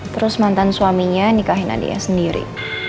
terus mantan suaminya nikahin adiknya sendiri